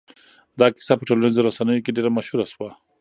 دا کيسه په ټولنيزو رسنيو کې ډېره مشهوره شوه.